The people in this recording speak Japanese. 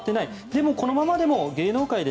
でもこのままでも芸能界で